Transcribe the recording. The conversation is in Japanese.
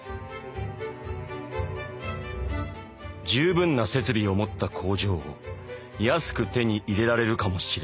「十分な設備を持った工場を安く手に入れられるかもしれない。